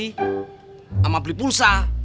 sama beli pulsa